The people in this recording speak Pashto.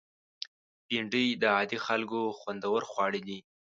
بېنډۍ د عادي خلکو خوندور خواړه دي